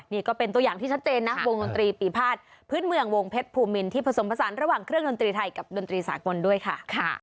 นี่ก็เป็นตัวอย่างที่ชัดเจนนะวงดนตรีปีภาษพื้นเมืองวงเพชรภูมินที่ผสมผสานระหว่างเครื่องดนตรีไทยกับดนตรีสากลด้วยค่ะ